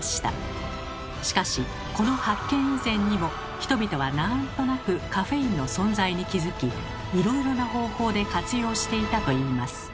しかしこの発見以前にも人々はなんとなくカフェインの存在に気づきいろいろな方法で活用していたといいます。